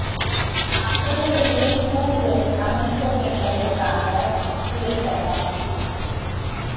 அவ்வளவு விலை கூடுதல் அமைச்சர் என்பதற்காகக் கிடைத்ததா?